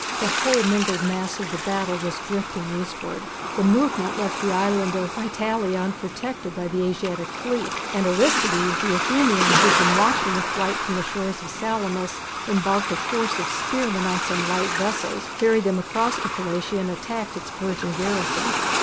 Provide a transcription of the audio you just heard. The whole mingled mass of the battle was drifting eastward. The movement left the island of Psytalia unprotected by the Asiatic fleet, and Aristides, the Athenian, who had been watching the fight from the shore of Salamis, embarked a force of spearmen on some light vessels, ferried them across to Psytalia and attacked its Persian garrison.